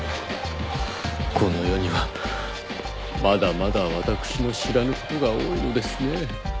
この世にはまだまだ私の知らぬことが多いのですね。